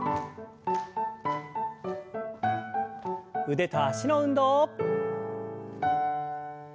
腕と脚の運動。